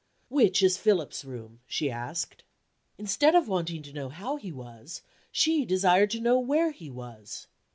"Which is Philip's room?" she asked. Instead of wanting to know how he was, she desired to know where he was!